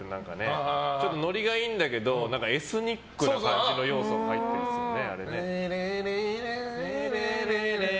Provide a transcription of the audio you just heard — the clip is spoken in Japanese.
ノリがいいんだけどエスニックな感じの要素も入ってますよね。